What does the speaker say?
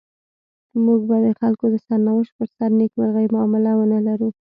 موږ به د خلکو د سرنوشت پر سر د نيکمرغۍ معامله ونلرو.